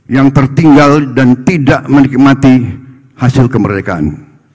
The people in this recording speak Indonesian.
yang tertinggal dan tidak menikmati hasil kemerdekaan